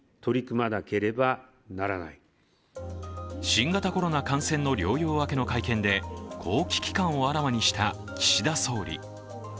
新型コロナ感染の療養明けの会見でこう危機感をあらわにした岸田総理。